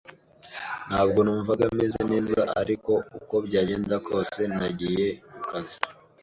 Ntabwo numvaga meze neza, ariko uko byagenda kose nagiye ku kazi.